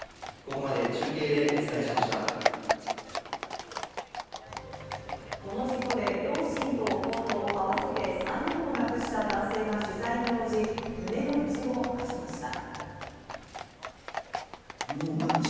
この事故で両親と弟、合わせて３人を亡くした男性が取材に応じ、胸の内を明かしました。